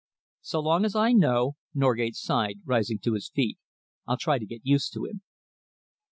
"So long as I know," Norgate sighed, rising to his feet, "I'll try to get used to him."